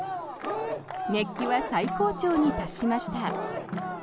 熱気は最高潮に達しました。